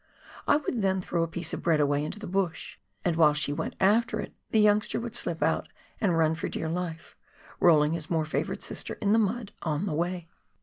I would then throw a piece of bread away into the bush, and while she went after it the youngster would slip out and run for dear life, rolling his more favoured sister in the mud on the way.